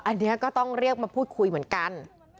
อันนี้ก็ต้องเรียกมาพูดคุยเหมือนกัน